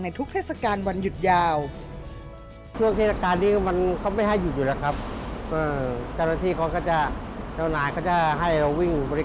ทุกเทศกาลวันหยุดยาว